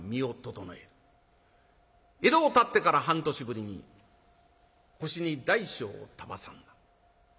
江戸をたってから半年ぶりに腰に大小を手挟んだ。